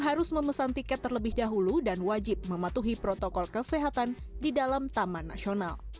harus memesan tiket terlebih dahulu dan wajib mematuhi protokol kesehatan di dalam taman nasional